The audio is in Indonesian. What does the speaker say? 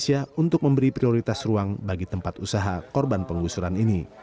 ridwan kamil juga memberi prioritas ruang bagi tempat usaha korban penggusuran ini